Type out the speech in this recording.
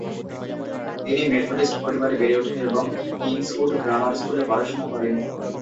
তিনি মেথডিস্ট পরিবারে বেড়ে ওঠেন এবং কিংসউড গ্রামার স্কুলে পড়াশোনা করেন।